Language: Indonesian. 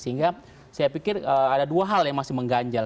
sehingga saya pikir ada dua hal yang masih mengganjal